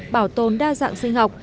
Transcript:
bảo tồn đa dạng sinh học